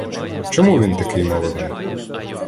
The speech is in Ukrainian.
— Чому він такий молодий?